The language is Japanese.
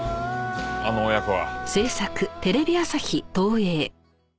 あの親子は。